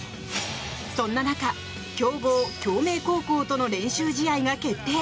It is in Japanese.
そんな中、強豪・京明高校との練習試合が決定。